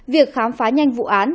việc khám phá nhanh vụ án